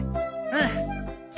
うん。